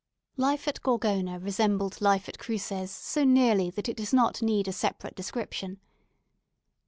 Life at Gorgona resembled life at Cruces so nearly that it does not need a separate description.